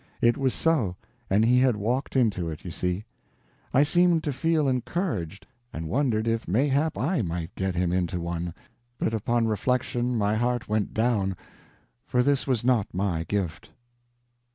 It was so, and he had walked into it, you see. I seemed to feel encouraged, and wondered if mayhap I might get him into one; but upon reflection my heart went down, for this was not my gift.